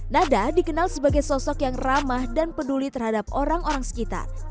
nada dikenal sebagai sosok yang ramah dan peduli terhadap orang orang sekitar